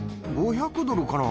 ５００ドルかな。